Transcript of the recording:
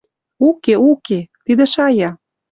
Уке, уке! Тидӹ шая